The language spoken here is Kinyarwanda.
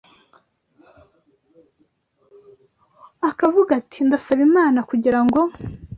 akavuga ati: “Ndasaba Imana kugira ngo